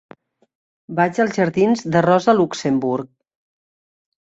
Vaig als jardins de Rosa Luxemburg.